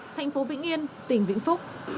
thành phố vĩnh yên tỉnh vĩnh phúc